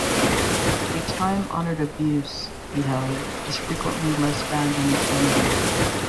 A time-honoured abuse, he held, is frequently less bad than its remedy.